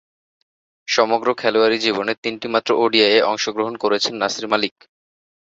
সমগ্র খেলোয়াড়ী জীবনে তিনটিমাত্র ওডিআইয়ে অংশগ্রহণ করেছেন নাসির মালিক।